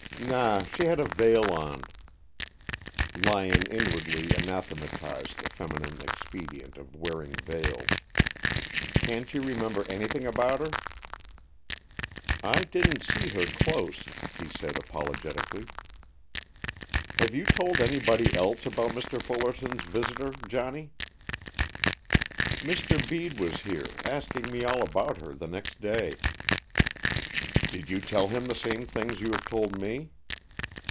"Na, she had a veil on." Lyon inwardly anathematized the feminine expedient of wearing veils. "Can't you remember anything about her?" "I didn't see her close," he said apologetically. "Have you told anybody else about Mr. Fullerton's visitor, Johnny?" "Mr. Bede was here, asking me all about her the next day." "Did you tell him the same things you have told me?"